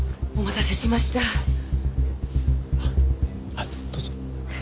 あっどうぞ。